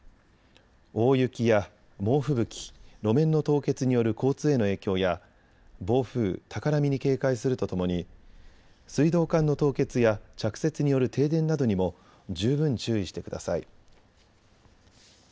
大雪や猛吹雪、路面の凍結による交通への影響や暴風、高波に警戒するとともに水道管の凍結や着雪による停電などにも十分注意してください。